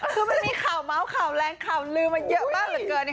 คือมันมีข่าวแรงข่าวลืมมาเยอะมากเหลือเกิน